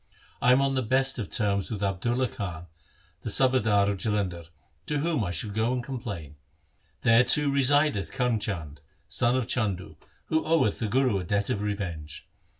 I am on the best of terms with Abdulla Khan, the subadar of Jalandhar, to whom I shall go and complain. There too resideth Karm Chand, son of Chandu, who oweth the Guru a debt of revenge.